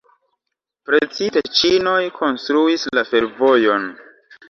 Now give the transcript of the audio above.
Precipe ĉinoj konstruis la fervojon.